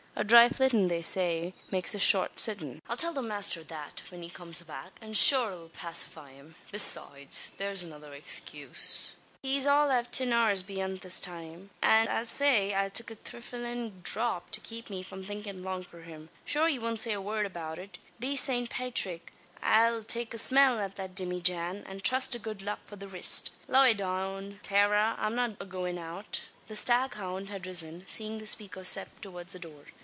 A dhry flittin', they say, makes a short sittin'. I'll tell the masther that, whin he comes back; an shure it 'll pacify him. Besoides, there's another ixcuse. He's all av tin hours beyant his time; an I'll say I took a thriflin' dhrap to kape me from thinkin' long for him. Shure he won't say a word about it. Be Sant Pathrick! I'll take a smell at the dimmyjan, an trust to good luck for the rist. Loy down, Tara, I'm not agoin' out." The staghound had risen, seeing the speaker step towards the door.